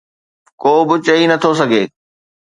ڪو به چئي نٿو سگهي.